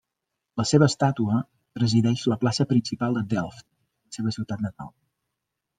La seva estàtua presideix la plaça principal de Delft, la seva ciutat natal.